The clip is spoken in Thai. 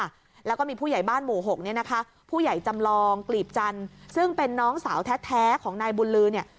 สถาบันเนี่ยนะคะที่เป็นน้องสาวเนี๊ย